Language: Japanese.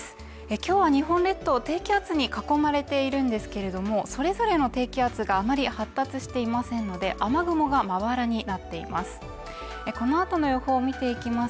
今日は日本列島低気圧に囲まれているんですけれどもそれぞれの低気圧があまり発達していませんので雨雲がまばらになっています